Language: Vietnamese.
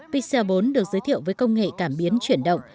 pixel bốn được giới thiệu với công nghệ cảm biến chuyển động